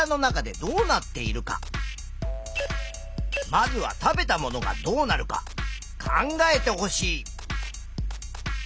まずは食べたものがどうなるか考えてほしい。